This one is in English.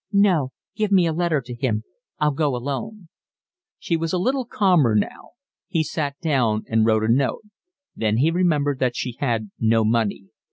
"No, give me a letter to him. I'll go alone." She was a little calmer now. He sat down and wrote a note. Then he remembered that she had no money.